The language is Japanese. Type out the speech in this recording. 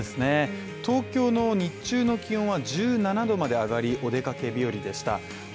東京の日中の気温は１７℃まで上がり、お出かけ日和でした。